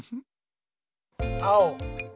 あお！